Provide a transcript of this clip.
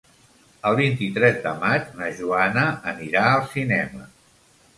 El vint-i-tres de maig na Joana anirà al cinema.